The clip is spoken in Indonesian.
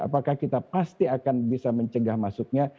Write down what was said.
apakah kita pasti akan bisa mencegah masuknya